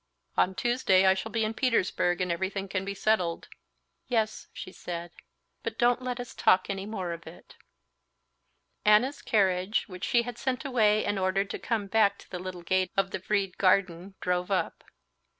"On Tuesday I shall be in Petersburg, and everything can be settled." "Yes," she said. "But don't let us talk any more of it." Anna's carriage, which she had sent away, and ordered to come back to the little gate of the Vrede garden, drove up.